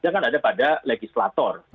jangan ada pada legislator